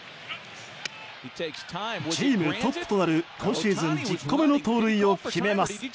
チームトップとなる今シーズン１０個目の盗塁を決めます。